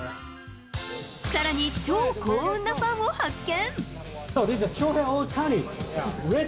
さらに超幸運なファンを発見。